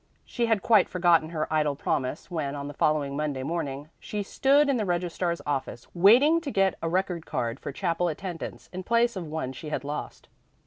She had quite forgotten her idle promise when, on the following Monday morning, she stood in the registrar's office, waiting to get a record card for chapel attendance in place of one she had lost.